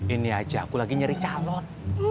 ini aja aku lagi nyari calon